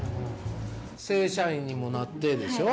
正社員にもなってでしょ？